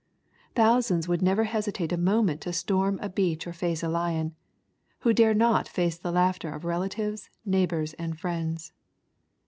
Thousands would never hesitate a moment to storm a breach or face a lion, who dare not face the laughter of relatives, neighbors, and friends.